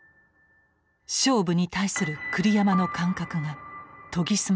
勝負に対する栗山の感覚が研ぎ澄まされていく。